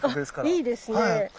あいいですね。